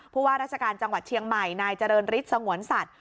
ว่าราชการจังหวัดเชียงใหม่นายเจริญฤทธิ์สงวนสัตว